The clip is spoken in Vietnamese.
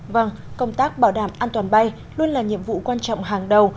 vâng công tác bảo đảm an toàn bay luôn là nhiệm vụ quan trọng hàng đầu